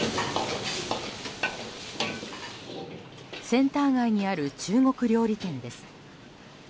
センター街にある中国料理店です。